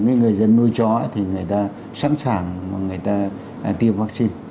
để những người dân nuôi chó thì người ta sẵn sàng mà người ta tiêm vắc xin